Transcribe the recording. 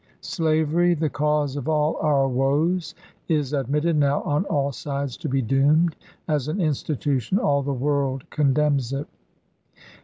.. Slavery, " the cause of all our woes," is admitted now on all sides to be doomed. As an institution all the world condemns it.